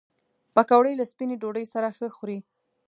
پکورې له سپینې ډوډۍ سره ښه خوري